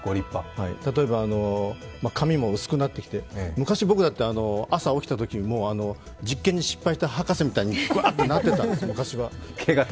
例えば、髪も薄くなってきて、昔、僕だって朝起きたとき、もう実験に失敗した博士みたいにブワってなってたんです、昔は。